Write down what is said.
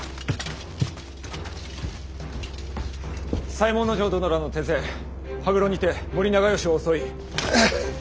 左衛門尉殿らの手勢羽黒にて森長可を襲い。